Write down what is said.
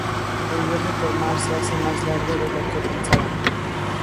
El viaje por mar se hace más largo de lo que pensaban.